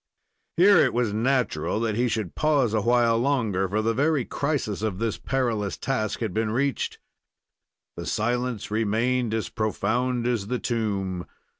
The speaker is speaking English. Here it was natural that he should pause awhile longer, for the very crisis of this perilous task had been reached. The silence remained as profound as the tomb.